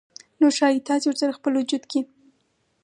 نو ښايي تاسې ورسره خپل وجود کې